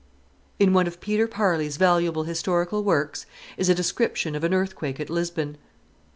In one of Peter Parley's valuable historical works is a description of an earthquake at Lisbon.